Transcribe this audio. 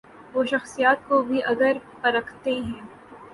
وہ شخصیات کو بھی اگر پرکھتے ہیں۔